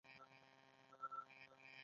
د هغه د اورېدو لېوالتیا پر حقيقت بدله شوه.